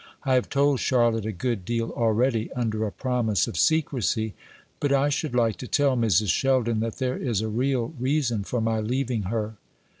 "I have told Charlotte a good deal already, under a promise of secrecy; but I should like to tell Mrs. Sheldon that there is a real reason for my leaving her."